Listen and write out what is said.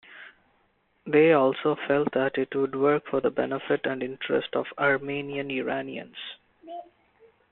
They also felt that it would work for the benefit and interest of Armenian-Iranians.